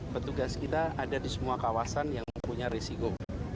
petugas kita ada di semua kawasan yang punya risiko